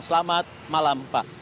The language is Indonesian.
selamat malam pak